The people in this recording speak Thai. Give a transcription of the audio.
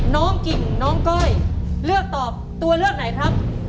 กิ่งน้องก้อยเลือกตอบตัวเลือกไหนครับ